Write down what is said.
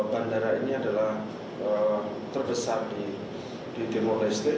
bandara ini adalah terbesar di timur leste